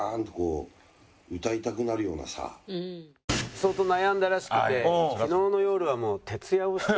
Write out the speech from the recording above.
相当悩んだらしくて昨日の夜はもう徹夜をして。